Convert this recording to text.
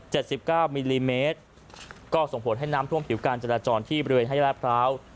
สิบเก้ามิลลิเมตรก็ส่งผลให้น้ำท่วมผิวการจราจรที่บริเวณให้ลาดพร้าว